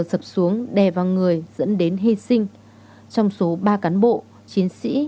sập xuống đè vào người dẫn đến hy sinh trong số ba cán bộ chiến sĩ